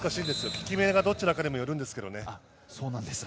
効き目がどちらかにもよるんですけれどもね。